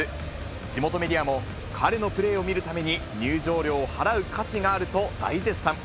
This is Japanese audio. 地元メディアも、彼のプレーを見るために入場料を払う価値があると大絶賛。